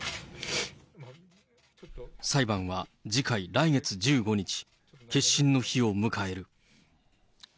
裁判は次回、来月１５日、結審の日を迎える。